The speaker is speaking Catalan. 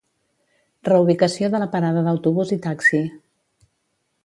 Reubicació de la parada d’autobús i taxi.